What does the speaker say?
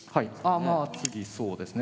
あまあ次そうですね。